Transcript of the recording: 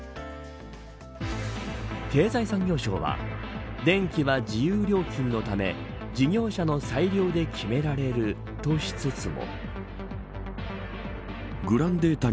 経済産業省は電気は自由料金のため事業者の裁量で決められるとしつつも。